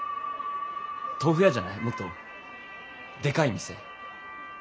豆腐屋じゃないもっとでかい店。